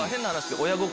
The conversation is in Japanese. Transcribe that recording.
親心⁉